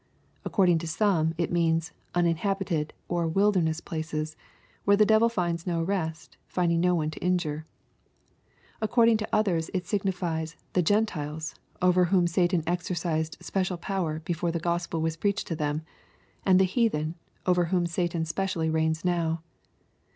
According to some, it means " un inhabited or wilderness places," where the devil finds no rest^ finding no one to injure. — ^According to others it signifies the Gen tUes^ over whom Satan exercised special power before the Gk)spel was preached to them, and the heathen, over whom Satan specially reigns now.